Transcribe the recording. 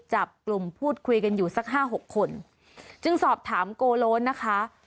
จับกลุ่มพูดคุยกันอยู่สักห้าหกคนจึงสอบถามโกโลนนะคะ